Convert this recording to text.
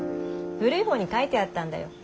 古い本に書いてあったんだよ。